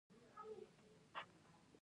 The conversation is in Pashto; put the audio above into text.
آیا د سهار لمونځ په جومات کې کول غوره نه دي؟